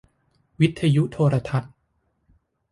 วิทยุโทรทัศน์